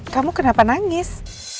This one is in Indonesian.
kamu kenapa nangis